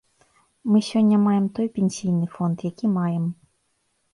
Мы сёння маем той пенсійны фонд, які маем.